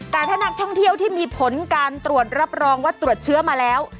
แต่ถ้านักท่องเที่ยวที่มีผลการตรวจรับรองว่าตรวจเชื้อมาแล้ว